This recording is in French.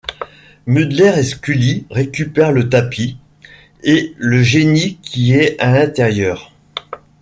Mulder et Scully récupèrent le tapis, et le génie qui est à l'intérieur.